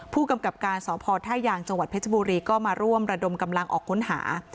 ผู้กำกับการสพท่ายางจังหวัดเพชรบุรีก็มาร่วมระดมกำลังออกค้นหา